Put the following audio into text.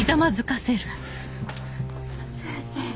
先生